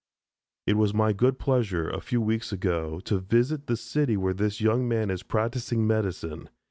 It was my good pleasure, a few weeks ago, to visit the city where this young man is practising medicine.